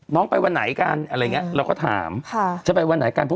น้องไปวันไหนกันเราก็ถามจะไปวันไหนกัน